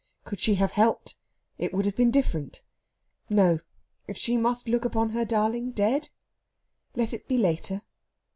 Could she have helped, it would have been different. No, if she must look upon her darling dead, let it be later.